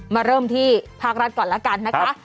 มาเริ่มที่ภาครัฐก่อนแล้วกันนะคะ